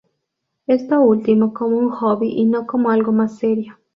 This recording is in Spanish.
Esto último como un hobby y no como algo más serio.